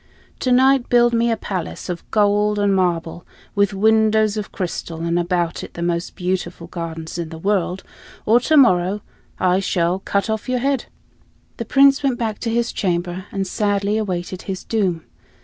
To night build me a palace of gold and marble, with windows of crystal, and about it the most beautiful gardens in the world, or tomorrow I shall cut off your head." The Prince went back to his chamber and sadly awaited his doom.